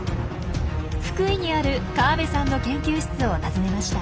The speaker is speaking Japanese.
福井にある河部さんの研究室を訪ねました。